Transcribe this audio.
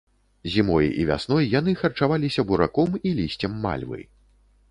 Зімой і вясной яны харчаваліся бураком і лісцем мальвы.